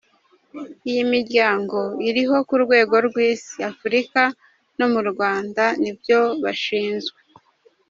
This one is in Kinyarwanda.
Iyi miryango iriho ku rwego rw’Isi, Afurika no mu Rwanda nibyo bashinzwe.